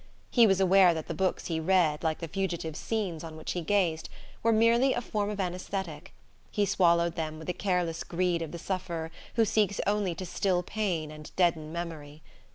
He was aware that the books he read, like the fugitive scenes on which he gazed, were merely a form of anesthetic: he swallowed them with the careless greed of the sufferer who seeks only to still pain and deaden memory.